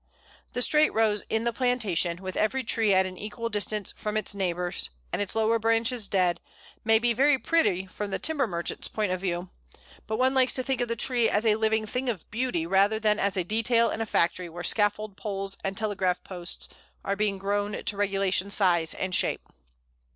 The straight rows in the plantation, with every tree at an equal distance from its neighbours, and its lower branches dead, may be very pretty from the timber merchant's point of view, but one likes to think of the tree as a living thing of beauty rather than as a detail in a factory where scaffold poles and telegraph posts are being grown to regulation size and shape.